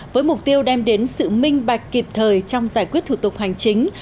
với mục tiêu đem đến sự minh bạch kịp thời trong giải quyết thủ tục hành chính